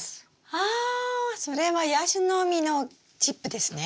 あそれはヤシの実のチップですね？